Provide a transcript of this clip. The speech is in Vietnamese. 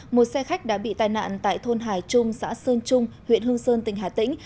một xe khách đã bị tai nạn tại thôn hải trung xã sơn trung huyện hương sơn tỉnh hà tĩnh